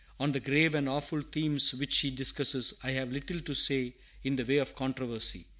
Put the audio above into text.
On the grave and awful themes which she discusses, I have little to say in the way of controversy.